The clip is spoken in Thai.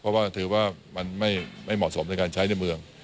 เพราะว่าถือว่ามันไม่เหมาะสมในการใช้ในเมือง